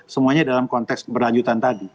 semuanya dalam konteks berlanjutan tadi